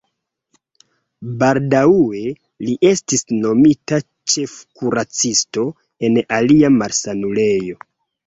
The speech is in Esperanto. Baldaŭe li estis nomita ĉefkuracisto en alia malsanulejo.